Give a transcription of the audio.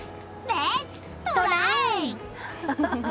レッツトライ！